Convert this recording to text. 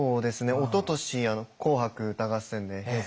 おととし「紅白歌合戦」でＨｅｙ！